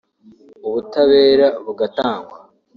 ubutabera bugatangwa